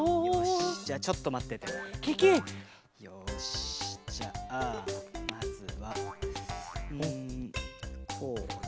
よしじゃあまずはうんこうで。